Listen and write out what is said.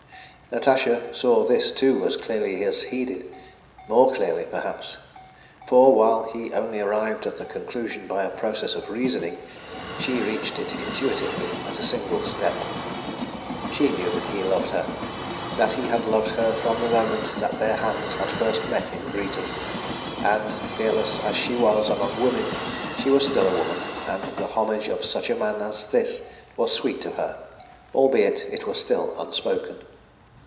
Natasha saw this too as clearly as he did more clearly, perhaps; for, while he only arrived at the conclusion by a process of reasoning, she reached it intuitively at a single step. She knew that he loved her, that he had loved her from the moment that their hands had first met in greeting, and, peerless as she was among women, she was still a woman, and the homage of such a man as this was sweet to her, albeit it was still unspoken.